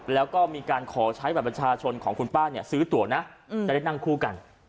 แล้วก็มีการขอใช้บัตรประชาชนของคุณป้าเนี่ยซื้อตัวนะจะได้นั่งคู่กัน